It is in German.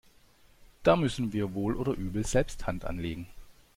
Da müssen wir wohl oder übel selbst Hand anlegen.